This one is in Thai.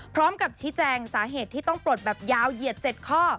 พร้อมกับชี้แจงสาเหตุที่ต้องปลดแบบยาวเหยียด๗ข้อ